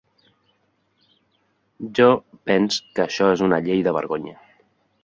Jo pens que això és una llei de vergonya.